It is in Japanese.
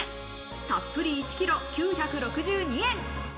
たっぷり１キロ９６２円